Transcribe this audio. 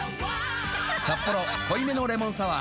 「サッポロ濃いめのレモンサワー」